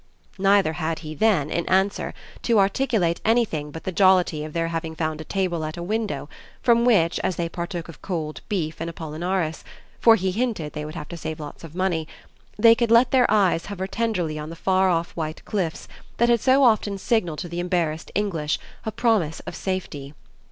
Neither had he then, in answer, to articulate anything but the jollity of their having found a table at a window from which, as they partook of cold beef and apollinaris for he hinted they would have to save lots of money they could let their eyes hover tenderly on the far off white cliffs that so often had signalled to the embarrassed English a promise of safety.